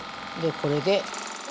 これで。